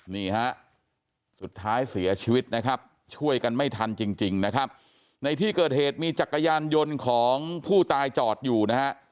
นี่ฮะสุดท้ายเสียชีวิตนะครับช่วยกันไม่ทันจริงนะครับในที่เกิดเหตุมีจักรยานยนต์ของผู้ตายจอดอยู่นะฮะ